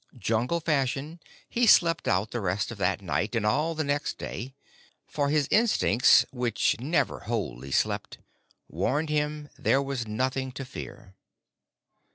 Jungle fashion, he slept out the rest of that night and all the next day; for his instincts, which never wholly slept, warned him there was nothing to fear.